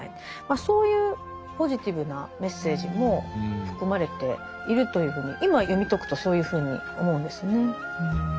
そういうポジティブなメッセージも含まれているというふうに今読み解くとそういうふうに思うんですね。